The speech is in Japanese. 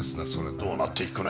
どうなっていくのやら。